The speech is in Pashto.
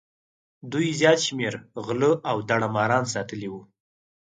دوی زیات شمېر غله او داړه ماران ساتلي وو.